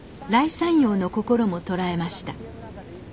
山陽の心も捉えました。